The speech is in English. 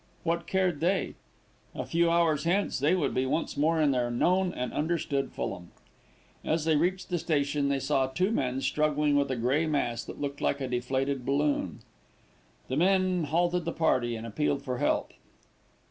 What cared they? A few hours hence they would be once more in their known and understood Fulham. As they reached the station they saw two men struggling with a grey mass that looked like a deflated balloon. The men hailed the party and appealed for help.